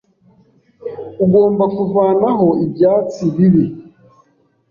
Ugomba kuvanaho ibyatsi bibi.